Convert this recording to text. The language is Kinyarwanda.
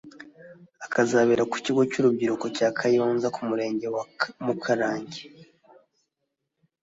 akazabera ku Kigo cy’urubyiruko cya Kayonza (Ku murenge wa Mukarange)